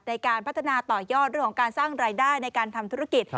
ในการพัฒนาต่อยอดเรื่องของการสร้างรายได้ในการทำธุรกิจ